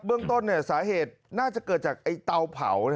เรื่องต้นสาเหตุน่าจะเกิดจากเตาเผา